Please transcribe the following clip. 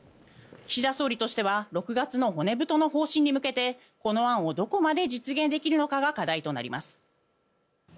岸田総理としては６月の骨太の方針に向けてこの案をどこまで実現できるのかが課題となります。